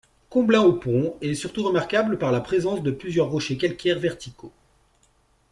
Comblain-au-Pont est surtout remarquable par la présence de plusieurs rochers calcaires verticaux.